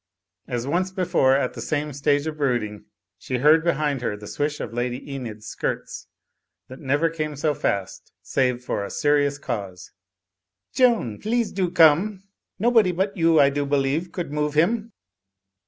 As once before at the same stage of brooding, she heard behind her the swish of Lady Enid's skirts, that never came so fast save for serious cause. "Joan ! Please do come ! Nobody but you, I do be lieve, could move him."